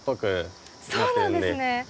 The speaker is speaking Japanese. そうなんですね。